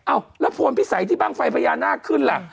อ้าวแล้วพลพิสัยที่บ้างไฟพญานาคขึ้นล่ะ